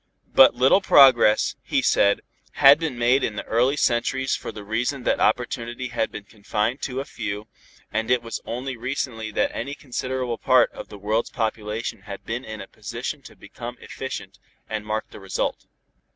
_ But little progress, he said, had been made in the early centuries for the reason that opportunity had been confined to a few, and it was only recently that any considerable part of the world's population had been in a position to become efficient; and mark the result.